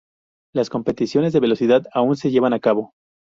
Las competiciones de velocidad aún se llevan a cabo.